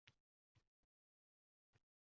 men qushlar sayrashini juda yaxshi ko`raman